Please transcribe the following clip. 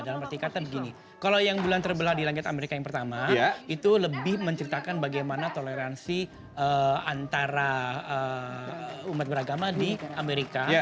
dalam arti kata begini kalau yang bulan terbelah di langit amerika yang pertama itu lebih menceritakan bagaimana toleransi antara umat beragama di amerika